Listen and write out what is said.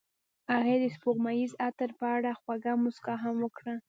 هغې د سپوږمیز عطر په اړه خوږه موسکا هم وکړه.